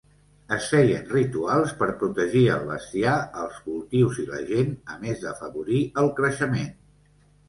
Es feien rituals per protegir el bestiar, els cultius i la gent, a més d"afavorir el creixement.